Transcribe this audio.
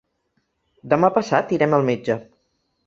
Demà passat irem al metge.